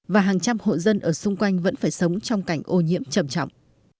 và hàng trăm hộ dân ở xung quanh vẫn phải sống trong cảnh ô nhiễm trầm trọng